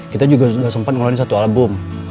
kita juga sudah sempat mengeluarkan satu album